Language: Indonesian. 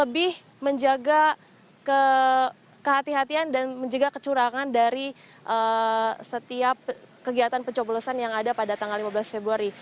kemudian menjaga jalan pencoplusan dan juga lebih menjaga kehatian dan menjaga kecurangan dari setiap kegiatan pencoplusan yang ada pada tanggal lima belas februari